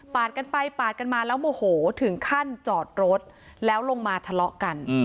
กันไปปาดกันมาแล้วโมโหถึงขั้นจอดรถแล้วลงมาทะเลาะกัน